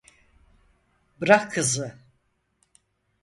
Bırak kızı!